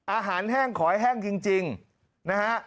อาหารแห้งขอยแห้งจริงนะฮะ